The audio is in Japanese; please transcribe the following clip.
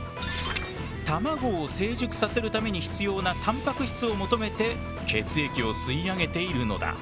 卵を成熟させるために必要なたんぱく質を求めて血液を吸い上げているのだ。